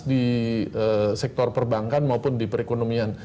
di sektor perbankan maupun di perekonomian